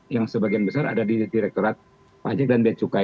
yang sebagian besar ada di direkturat wajib dan becukai